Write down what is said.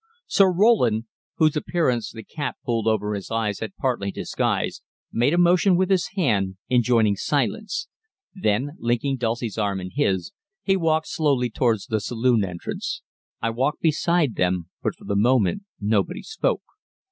Sir Roland, whose appearance the cap pulled over his eyes had partly disguised, made a motion with his hand, enjoining silence. Then, linking Dulcie's arm in his, he walked slowly towards the saloon entrance. I walked beside them, but for the moment nobody spoke.